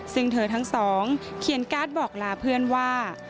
ซึ่งเธอทั้งสองเขียนการ์ดบอกลาเพื่อนว่า